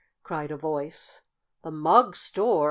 cried a voice. "The Mugg store!